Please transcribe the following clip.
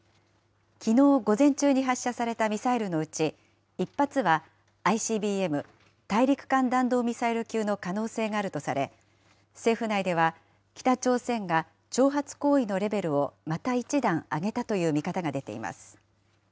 きのう午前中に発射されたミサイルのうち１発は、ＩＣＢＭ・大陸間弾道ミサイル級の可能性があるとされ、政府内では、北朝鮮が挑発行為のレベルをまた一段上げたという見方が出ています。